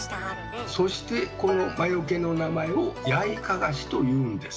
そしてこの魔よけの名前を「ヤイカガシ」というんです。